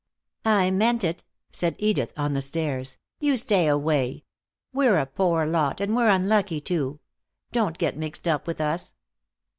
"I meant it," said Edith, on the stairs. "You stay away. We're a poor lot, and we're unlucky, too. Don't get mixed up with us."